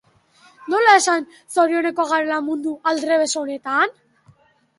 Nola esan zorionekoak garela mundu aldrebes honetan?